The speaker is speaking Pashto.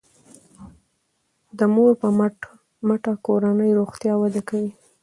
د مور په مټه کورنی روغتیا وده کوي.